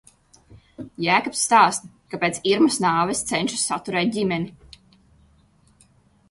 Jēkabs stāsta, kā pēc Irmas nāves cenšas saturēt ģimeni.